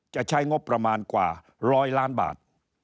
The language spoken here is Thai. จะใช้งบประมาณกว่าร้อยล้านบาท